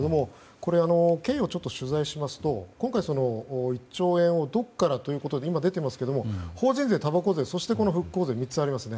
これ、経緯を取材しますと今回、１兆円をどこからということで法人税、たばこ税そしてこの復興税と３つありますね。